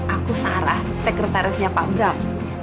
aku sarah sekretarisnya pak bram